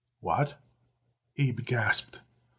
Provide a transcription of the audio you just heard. "What?" Abe gasped.